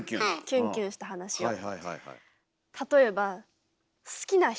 キュンキュンした話を。